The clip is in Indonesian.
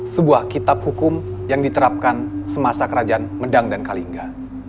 sebuah kitab hukum yang diterapkan semasa kerajaan medang dan kalingga